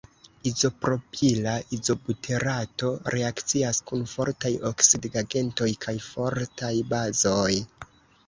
Izopropila izobuterato reakcias kun fortaj oksidigagentoj kaj fortaj bazoj.